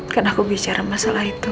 karena aku bicara masalah itu